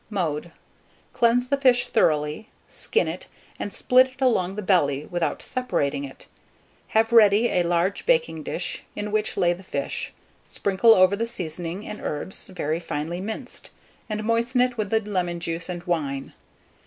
Mode, Cleanse the fish thoroughly, skin it, and split it along the belly without separating it; have ready a large baking dish, in which lay the fish, sprinkle over the seasoning and herbs very finely minced, and moisten it with the lemon juice and wine.